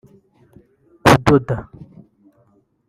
kudoda